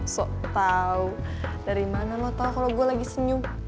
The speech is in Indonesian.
so tau dari mana lo tau kalau gue lagi senyum